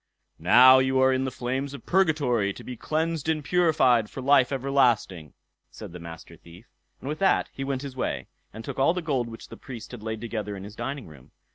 "Now you are in the flames of purgatory, to be cleansed and purified for life everlasting", said the Master Thief; and with that he went his way, and took all the gold which the Priest had laid together in his dining room.